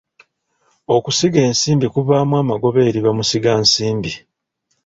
Okusiga ensimbi kuvaamu amagoba eri bamusigansimbi.